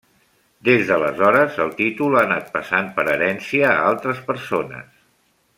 Des d'aleshores el títol ha anat passant per herència a altres persones.